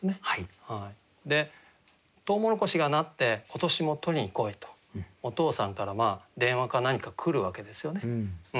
トウモロコシがなって「今年も取りに来い」とお父さんから電話か何か来るわけですよね。